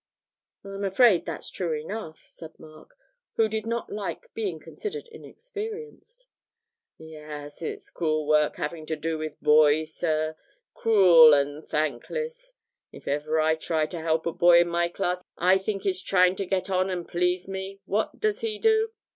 'I'm afraid that's true enough,' said Mark, who did not like being considered inexperienced. 'Yes, it's cruel work having to do with boys, sir cruel and thankless. If ever I try to help a boy in my class I think is trying to get on and please me, what does he do?